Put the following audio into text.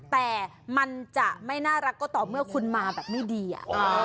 แต่มันจะไม่น่ารักก็ต่อเมื่อคุณมาแบบไม่ดี